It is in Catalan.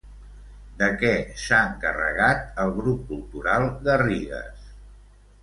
De què s'ha encarregat el Grup Cultural Garrigues?